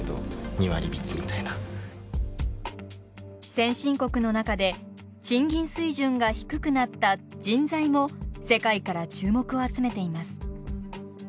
先進国の中で賃金水準が低くなった人材も世界から注目を集めています。